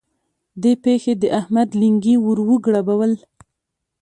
دې پېښې د احمد لېنګي ور وګړبول.